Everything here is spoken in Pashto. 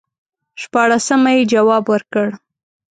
شپاړسمه یې جواب ورکړ.